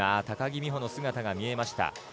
高木美帆の姿が見えました。